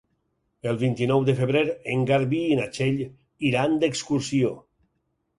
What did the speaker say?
El vint-i-nou de febrer en Garbí i na Txell iran d'excursió.